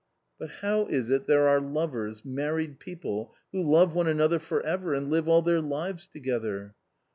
" But how is it there are lovers, married people, who love one another for ever and live all their lives together